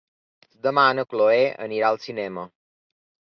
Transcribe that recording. Demà na Chloé anirà al cinema.